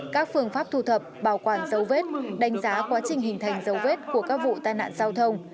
các phương pháp thu thập bảo quản dấu vết đánh giá quá trình hình thành dấu vết của các vụ tai nạn giao thông